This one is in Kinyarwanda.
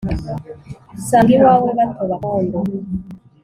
Nsanga iwawe batoba akondo